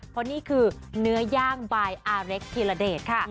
เพราะนี้จริงคือเนื้อย่างอเรกทีละเดชค่ะ